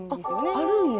あるんや。